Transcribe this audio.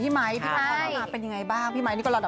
เพราะว่าใจแอบในเจ้า